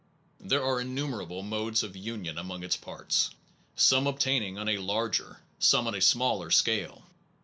There are innumerable modes of union among its parts, some obtaining on a larger, some on a smaller scale.